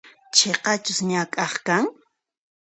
Chiqachus ñak'aq kan?